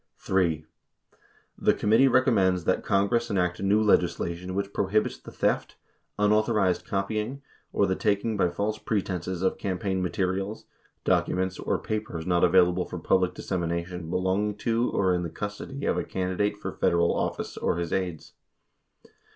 3. The committee recommends that Congress enact new legisla tion which prohibits the theft, unauthorized copying, or the taking by false pretenses of campaign materials, documents, or papers not available for public dissemination belonging to or in the custody of a candidate for Federal office or his aides.